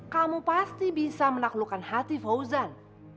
kamu pasti bisa menaklukkan hati fauzan